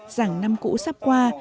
rằng năm cũ sắp qua